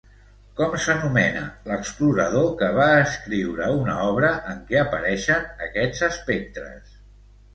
Com s'anomena l'explorador que va escriure una obra en què apareixen aquests espectres?